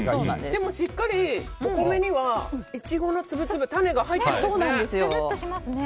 でもしっかりお米にはイチゴの粒々種が入ってるんですね。